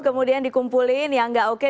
kemudian dikumpulin yang gak oke